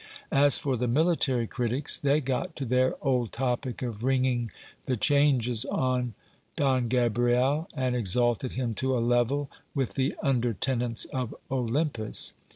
As for the military critics, they got to their old topic of ringing the changes on Don Gabriel, and exalted him to a level with the under tenants of Olympus.